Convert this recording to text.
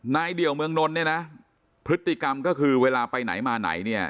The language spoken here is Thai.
เดี่ยวเมืองนนท์เนี่ยนะพฤติกรรมก็คือเวลาไปไหนมาไหนเนี่ย